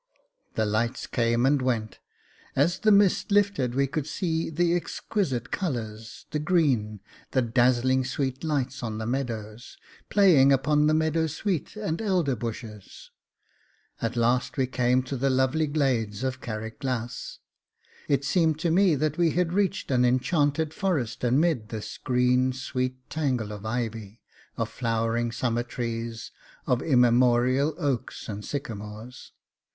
The lights came and went; as the mist lifted we could see the exquisite colours, the green, the dazzling sweet lights on the meadows, playing upon the meadow sweet and elder bushes; at last we came to the lovely glades of Carriglass. It seemed to me that we had reached an enchanted forest amid this green sweet tangle of ivy, of flowering summer trees, of immemorial oaks and sycamores.